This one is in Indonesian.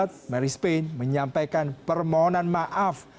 menteri ria mizat mary spain menyampaikan permohonan maaf